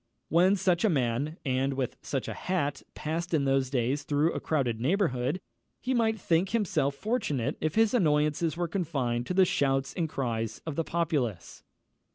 When such a man, and with such a hat, passed in those days through a crowded neighbourhood, he might think himself fortunate if his annoyances were confined to the shouts and cries of the populace.